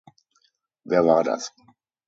Wer war das?